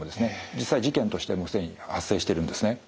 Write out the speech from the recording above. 実際事件としてもう既に発生してるんですね。